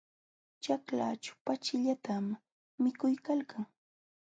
Ćhaklaćhu pachillatam mikuykalkan.